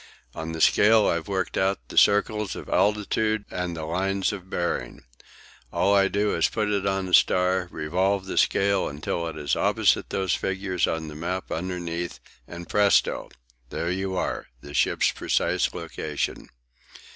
On the scale I've worked out the circles of altitude and the lines of bearing. All I do is to put it on a star, revolve the scale till it is opposite those figures on the map underneath, and presto! there you are, the ship's precise location!"